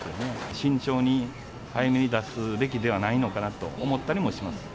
慎重に、早めに出すべきじゃないのかなと思ったりはします。